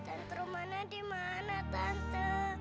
tante rumana dimana tante